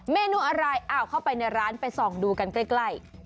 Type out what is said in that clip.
เมนูอะไรอ้าวเข้าไปในร้านไปส่องดูกันใกล้